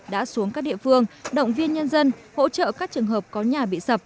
đã xuống các địa phương động viên nhân dân hỗ trợ các trường hợp có nhà bị sập